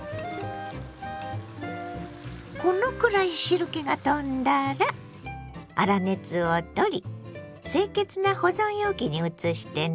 このくらい汁けが飛んだら粗熱を取り清潔な保存容器に移してね。